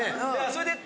それで。